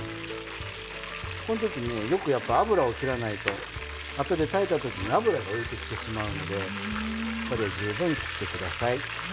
このとき、よく油を切らないとあとで炊いたときに油が浮いてきてしまうので十分、切ってください。